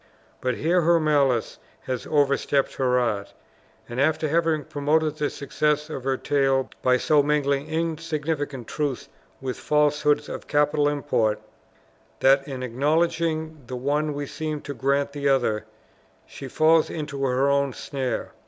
But here her malice has overstepped her art; and after having promoted the success of her tale by so mingling insignificant truths with falsehoods of capital import that in acknowledging the one we seem to grant the other she falls into her own snare!